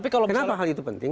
kenapa hal itu penting